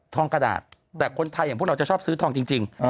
งกระดาษแต่คนไทยอย่างพวกเราจะชอบซื้อทองจริง